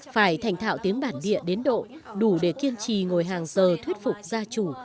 phải thành thạo tiếng bản địa đến độ đủ để kiên trì ngồi hàng giờ thuyết phục gia chủ